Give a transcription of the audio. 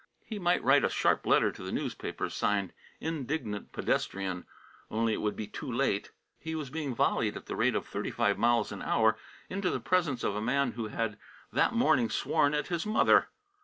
He might write a sharp letter to the newspapers, signed, "Indignant Pedestrian," only it would be too late. He was being volleyed at the rate of thirty five miles an hour into the presence of a man who had that morning sworn at his mother.